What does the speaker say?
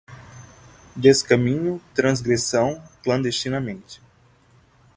descaminho, transgressão, clandestinamente